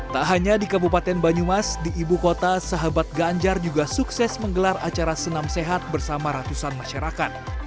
tak hanya di kabupaten banyumas di ibu kota sahabat ganjar juga sukses menggelar acara senam sehat bersama ratusan masyarakat